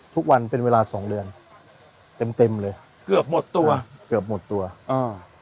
ทุกวันเป็นเวลาสองเดือนเต็มเต็มเลยเกือบหมดตัวเกือบหมดตัวอ่า